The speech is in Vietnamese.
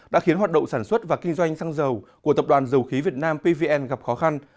đã khiến hoạt động sản xuất và kinh doanh xăng dầu của tập đoàn dầu khí việt nam pvn gặp khó khăn